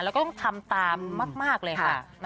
แล้วก็ต้องทำตามมากเลยค่ะ